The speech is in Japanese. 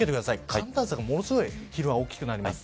寒暖差が、ものすごく昼間は大きくなります。